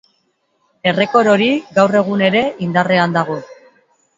Errekor hori gaur egun ere indarrean dago.